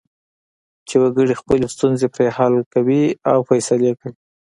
چې وګړي خپلې ستونزې پرې حل کوي او فیصلې کوي.